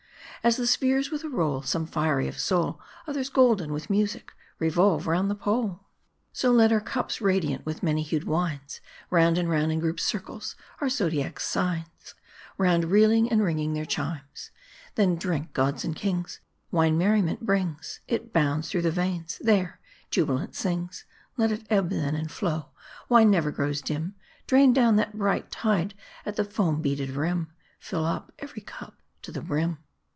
As the spheres, with a roll, some fiery of soul, Others golden, with music, revolve round the pole ; 300 ^t A R D I. So let our cups, radiant with many hued wines, Round and round in groups circle, our Zodiac's Signs : Round reeling, and ringing their chimes ! Then drink, gods and kings ; wine merriment brings ; It bounds through the veins ; there, jubilant sings. Let it ebb, then, and flow ; wine never grows dim ; Drain down that bright tide at the foam beaded rim : Fill up, every cup, to the brim